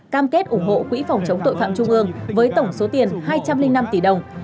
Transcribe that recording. cam kết ủng hộ quỹ phòng chống tội phạm trung ương với tổng số tiền hai trăm linh năm tỷ đồng